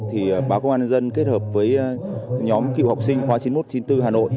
thì báo công an nhân dân kết hợp với nhóm cựu học sinh khóa chín nghìn một trăm chín mươi bốn hà nội